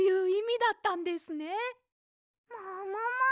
ももも！